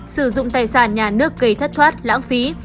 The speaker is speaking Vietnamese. sử dụng tài sản nhà nước gây thất thoát lãng phí